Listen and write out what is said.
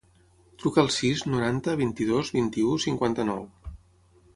Truca al sis, noranta, vint-i-dos, vint-i-u, cinquanta-nou.